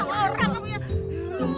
buktinya lu itu